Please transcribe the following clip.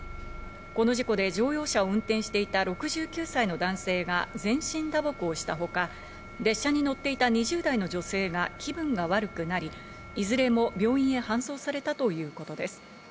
この事故で乗用車を運転していた６９歳の男性が全身打撲をしたほか、列車に乗っていた２０代の女性が気分が悪くなり、いずれも病院へ搬送されたということです。